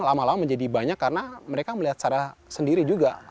lama lama menjadi banyak karena mereka melihat secara sendiri juga